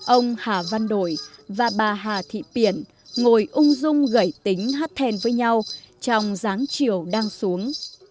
ông hà văn đổi và bà hà thị piển ngồi ung dung gẩy tính hát then với nhau trong giáng chiều đang xuống